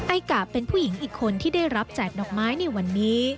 ไอกะเป็นผู้หญิงอีกคนที่ได้รับแจกดอกไม้ในวันนี้